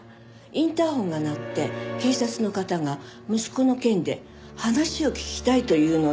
インターホンが鳴って警察の方が息子の件で話を聞きたいと言うので。